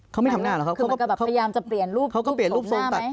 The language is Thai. เขาไม่ทำหน้าหรอกเขาก็แบบพยายามจะเปลี่ยนรูปสมหน้าไหม